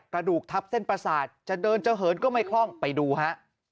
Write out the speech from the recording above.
กระดูกทับเส้นประสาทจะเดินจะเหินก็ไม่คล่องไปดูฮะ